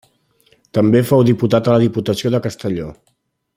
També fou diputat a la Diputació de Castelló.